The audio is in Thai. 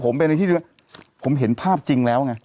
ผมเป็นที่ช่วยผมเห็นภาพอ่าจริงแล้วไง